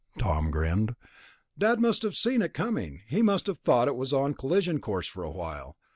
Tom grinned. "Dad must have seen it coming ... must have thought it was on collision course for a while.